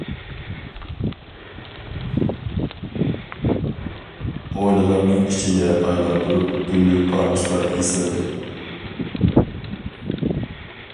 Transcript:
ھويلىلارنىڭ ئىچىگە ئايلاندۇرۇپ گۈللۈك پانۇسلار ئېسىلدى.